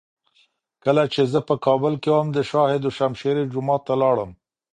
کله چي زه په کابل کي وم، د شاه دو شمشېره جومات ته لاړم.